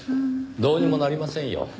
どうにもなりませんよ。